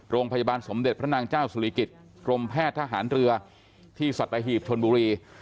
โรงพยาบาลสมเด็จพระนางเจ้าสุริกิจกรมแพทย์ทหารเรือที่สัตหีบชนบุรี